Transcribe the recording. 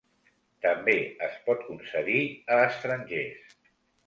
També es pot concedir a estrangers.